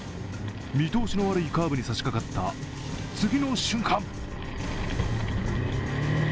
見通しの悪いカーブにさしかかった次の瞬間